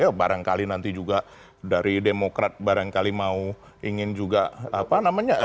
ya barangkali nanti juga dari demokrat barangkali mau ingin juga apa namanya